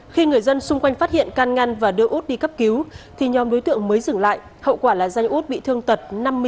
khi người dân xung quanh phát hiện can ngăn và đưa út đi cấp cứu thì nhóm đối tượng mới dừng lại hậu quả là danh út bị thương tật năm mươi